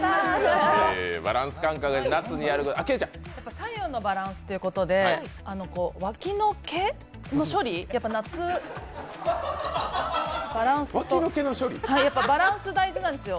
左右のバランスということで脇の毛の処理、やっぱ夏バランス大事なんですよ